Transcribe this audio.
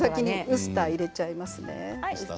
ウスターを入れちゃいますね。